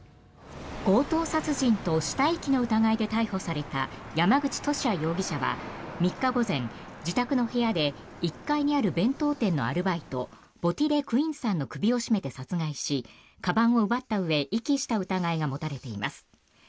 強盗殺人と死体遺棄の疑いで逮捕された山口利家容疑者は３日午前、自宅の部屋で１階にある弁当店のアルバイトヴォ・ティ・レ・クインさんの首を絞めて殺害しかばんを奪ったうえ遺棄した疑いが持たれています。